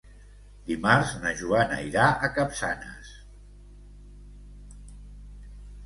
Dimarts na Joana irà a Capçanes.